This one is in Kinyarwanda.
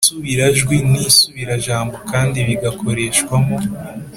isubirajwi n’isubirajambo kandi bigakoreshwamo